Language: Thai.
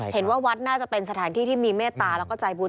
เห็นว่าวัดน่าจะเป็นสถานที่ที่มีเมตตาแล้วก็ใจบุญ